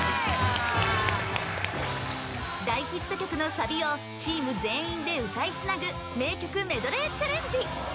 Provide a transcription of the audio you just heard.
大ヒット曲のサビをチーム全員で歌いつなぐ名曲メドレーチャレンジ